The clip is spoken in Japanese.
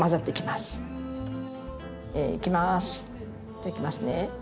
じゃあいきますね。